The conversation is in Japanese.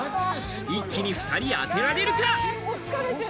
一気に２人当てられるか？